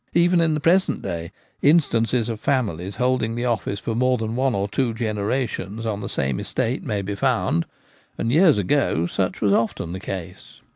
Even in the pre sent day instances of families holding the office for more than one or two generations on the same estate may be found ; and years ago such was often the case.